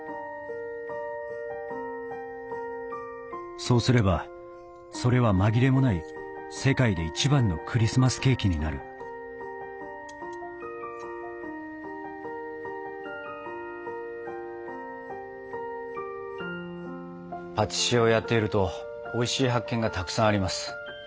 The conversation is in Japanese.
そうすればそれは紛れもない世界で一番のクリスマスケーキになるパティシエをやっているとおいしい発見がたくさんあります。